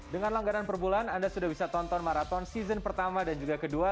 dengan langganan per bulan anda sudah bisa tonton maraton season pertama dan juga kedua